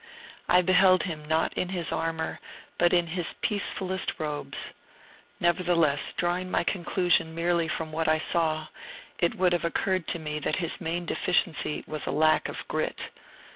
I beheld him not in his armor, but in his peacefulest robes. Nevertheless, drawing my conclusion merely from what I saw, it would have occurred to me that his main deficiency was a lack of grit.